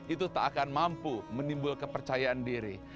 itu tak akan mampu menimbul kepercayaan diri